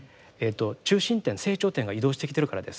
中心点成長点が移動してきてるからです。